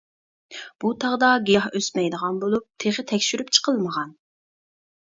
بۇ تاغدا گىياھ ئۆسمەيدىغان بولۇپ، تېخى تەكشۈرۈپ چىقىلمىغان.